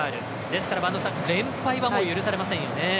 ですから、連敗はもう許されませんよね。